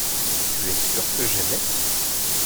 tu es sûr que j'aimai.